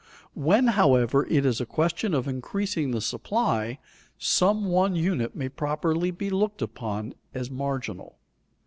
When, however, it is a question of increasing the supply, some one unit may properly be looked upon as marginal.